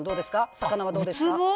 魚はどうですか？